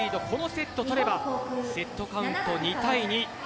このセットを取ればセットカウント２対２。